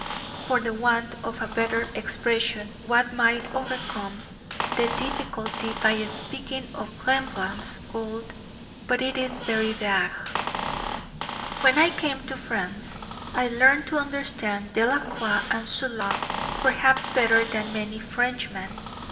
For the want of a better expression one might overcome the difficulty by speaking of Rembrandt's gold; but it is very vague. When I came to France I learnt to understand Delacroix and Zola perhaps better than many a Frenchman.